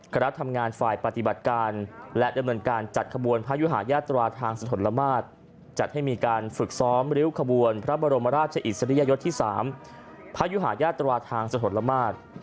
คณะทำงานฝ่ายปฏิบัติการและดำเนินการจัดขบวนพระยุหายาตราทางสถลมาตรจัดให้มีการฝึกซ้อมริ้วขบวนพระบรมราชอิสริยยศที่๓พระยุหายาตราทางสถนละมาตร